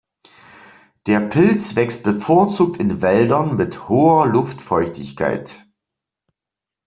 Der Pilz wächst bevorzugt in Wäldern mit hoher Luftfeuchtigkeit.